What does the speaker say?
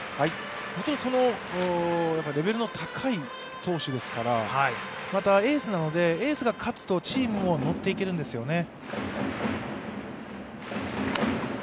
もちろん、レベルの高い投手ですからまた、エースなので、エースが勝つとチームもノッていけるんですよね。